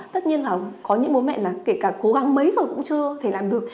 tất nhiên là có những bố mẹ là kể cả cố gắng mấy rồi cũng chưa thể làm được